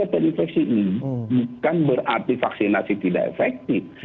bukan berarti vaksinasi tidak efektif